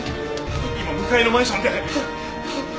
今向かいのマンションで。